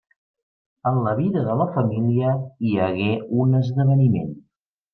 En la vida de la família hi hagué un esdeveniment.